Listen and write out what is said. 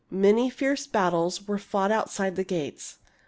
Many fierce battles were fought outside of the gates.